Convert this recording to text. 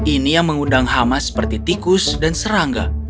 ini yang mengundang hama seperti tikus dan serangga